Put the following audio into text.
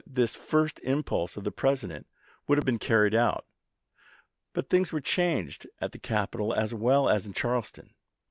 v. this first impulse of the President would have been carried out. But things were changed at the capital as well as in Charleston.